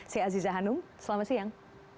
saya aziza hanum selamat siang